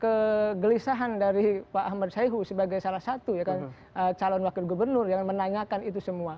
kegelisahan dari pak ahmad sayhu sebagai salah satu ya kan calon wakil gubernur yang menanyakan itu semua